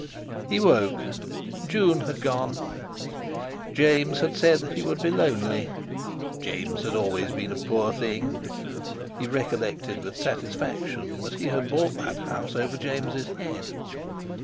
He woke. June had gone! James had said he would be lonely. James had always been a poor thing. He recollected with satisfaction that he had bought that house over James's head.